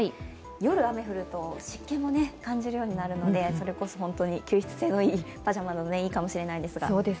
夜、雨が降ると、湿気も感じるようになるのでそれこそ本当に吸湿性のパジャマの方がいいかもしれません。